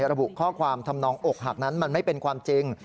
ระบุข้อความทำนองอกหักนั้นมันไม่เป็นความจริง